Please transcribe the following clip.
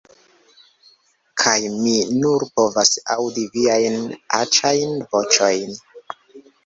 "Kaj mi nur povas aŭdi viajn aĉajn voĉojn!"